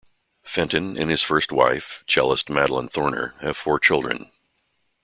Fenton and his first wife, cellist Madeline Thorner, have four children.